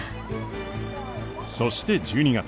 そして１２月。